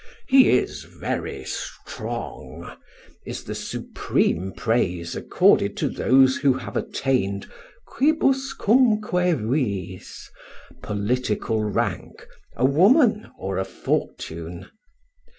"He is very strong!" is the supreme praise accorded to those who have attained quibuscumque viis, political rank, a woman, or a fortune.